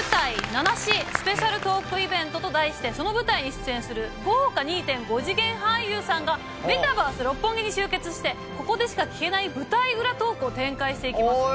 『ナナシ』スペシャルトークイベントと題してその舞台に出演する豪華２．５次元俳優さんがメタバース六本木に集結してここでしか聞けない舞台裏トークを展開していきます。